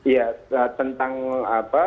ya tentang apa